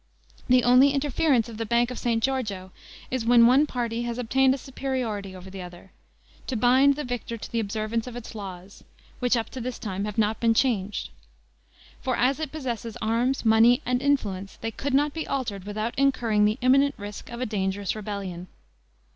The only interference of the Bank of St. Giorgio is when one party has obtained a superiority over the other, to bind the victor to the observance of its laws, which up to this time have not been changed; for as it possesses arms, money, and influence, they could not be altered without incurring the imminent risk of a dangerous rebellion.